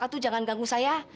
aduh jangan ganggu saya